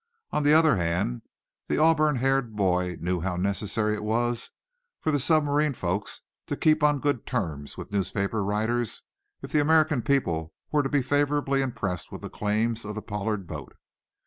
On the other hand, the auburn haired boy knew how necessary it was for the submarine folks to keep on good terms with newspaper writers if the American people were to be favorably impressed with the claims of the Pollard boat.